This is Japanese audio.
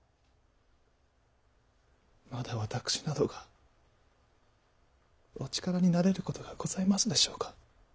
まだ私などがお力になれることがございますでしょうか。